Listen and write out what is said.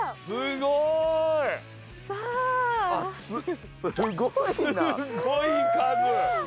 すごい数。